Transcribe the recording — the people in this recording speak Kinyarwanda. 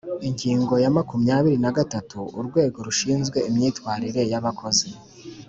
Ingingo ya makumyabiri na gatatu: Urwego rushinzwe imyitwarire ya abakozi